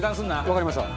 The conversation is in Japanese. わかりました。